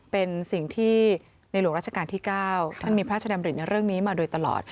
เป็นสิ่งที่ในหลวงราชการที่๙ท่านมีพระราชดำริในเรื่องนี้มาโดยตลอด